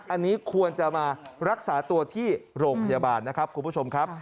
อันนี้ควรจะมารักษาตัวที่โรงพยาบาลนะครับคุณผู้ชมครับ